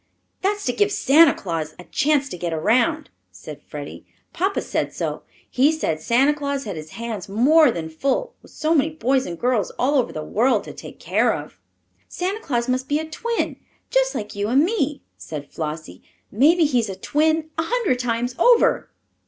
"That's to give Santa Claus a chance to get around," said Freddie. "Papa said so. He said Santa Claus had his hands more than full, with so many boys and girls all over the world to take care of." "Santa Claus must be a twin, just like you and me," said Flossie. "Maybe he's a twin a hundred times over."